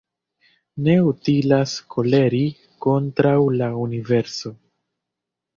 Ne utilas koleri kontraŭ la universo